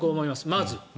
まず。